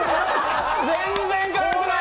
全然辛くない！